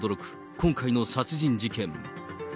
今回の殺人事件。